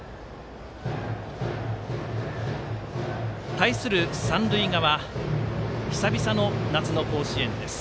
対する三塁側久々の夏の甲子園です。